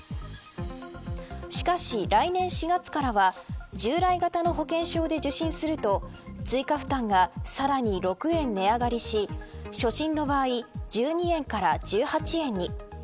しかし、来年４月からは従来型の保険証で受診すると追加負担がさらに６円値上がりし初診の場合１２円から１８円に。